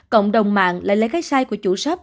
cộng đồng mạng lại lấy cái sai của chủ shop